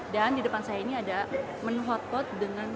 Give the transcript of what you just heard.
dan di depan saya ini ada menu hotpot dengan